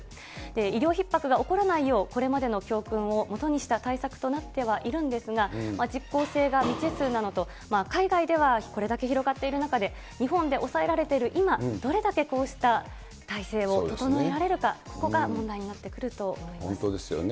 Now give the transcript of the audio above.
医療ひっ迫が起こらないよう、これまでの教訓をもとにした対策となってはいるんですが、実効性が未知数なのと、海外ではこれだけ広がっている中で、日本で抑えられている今、どれだけこうした体制を整えられるか、ここが問題になってくると本当ですよね。